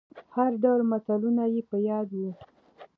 هر ډول متلونه يې په ياد وو.